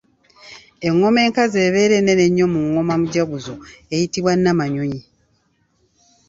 Engoma enkazi ebeera ennene ennyo mu ngoma mujaguzo eyitibwa Nnamanyonyi.